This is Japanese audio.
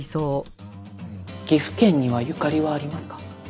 岐阜県にはゆかりはありますか？